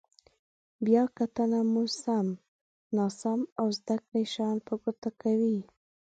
بیا کتنه مو سم، ناسم او زده کړي شیان په ګوته کوي.